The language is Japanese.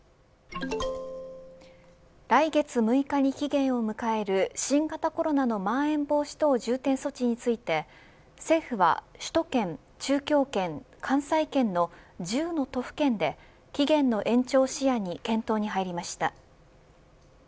来月６日に期限を迎える新型コロナのまん延防止等重点措置について政府は首都圏、中京圏関西圏の１０の都府県で期限の延長を視野に検討に入りました。